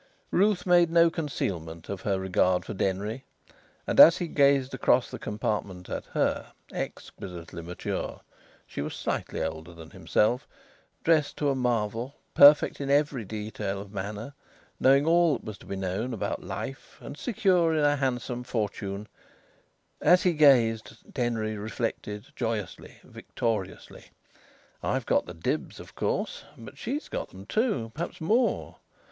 Ruth made no concealment of her regard for Denry; and as he gazed across the compartment at her, exquisitely mature (she was slightly older than himself), dressed to a marvel, perfect in every detail of manner, knowing all that was to be known about life, and secure in a handsome fortune as he gazed, Denry reflected, joyously, victoriously: "I've got the dibs, of course. But she's got 'em too perhaps more.